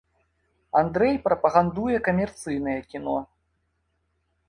Андрэй прапагандуе камерцыйнае кіно.